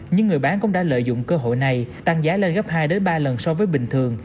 nhưng người bán cũng đã lợi dụng cơ hội này tăng giá lên gấp hai ba lần so với bình thường